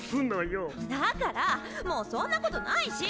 だからもうそんなことないし！